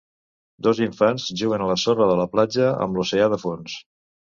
Dos infants juguen a la sorra de la platja amb l'oceà de fons.